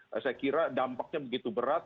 saya kira dampaknya begitu berat